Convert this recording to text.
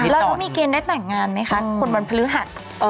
แล้วน้องมีเกณฑ์ได้แต่งงานไหมคะคนวันพฤหัส